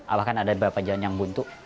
alahkan ada beberapa jalan yang buntu